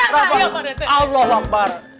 rapa allah lampar